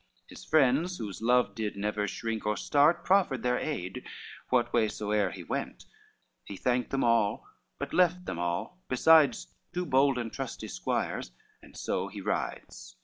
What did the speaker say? His friends, whose love did never shrink or start, Preferred their aid, what way soe'er he went: He thanked them all, but left them all, besides Two bold and trusty squires, and so he rides.